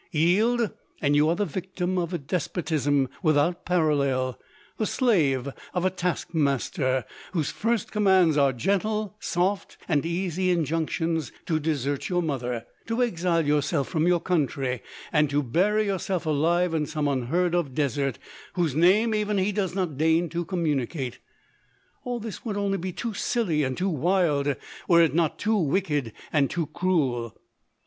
Yield, and you are the victim of a despotism without parallel, the slave of a task master, whose first commands are gentle, soft, and easy injunctions to desert your mother : to exile yourself from your country, and to bury yourself alive in some unheard of desert, whose name even he does not deign to communicate. All this would be only too silly and too wild, were it not too wicked and too cruel.